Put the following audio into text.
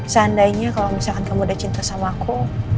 seandainya kalau misalkan kamu udah cinta sama aku